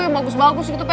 yang bagus bagus gitu pak